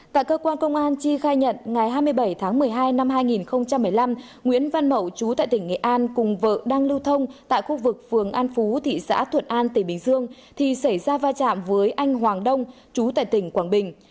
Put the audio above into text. tại cơ quan công an chi khai nhận ngày hai mươi bảy tháng một mươi hai năm hai nghìn một mươi năm nguyễn văn mậu chú tại tỉnh nghệ an cùng vợ đang lưu thông tại khu vực phường an phú thị xã thuận an tỉnh bình dương thì xảy ra va chạm với anh hoàng đông chú tại tỉnh quảng bình